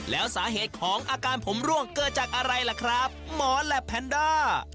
แล้วสาเหตุของอาการผมร่วงเกิดจากอะไรล่ะครับหมอแหลปแพนด้า